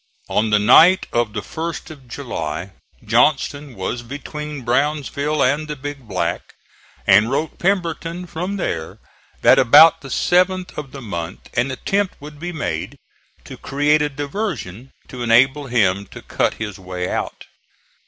On the night of the 1st of July Johnston was between Brownsville and the Big Black, and wrote Pemberton from there that about the 7th of the month an attempt would be made to create a diversion to enable him to cut his way out.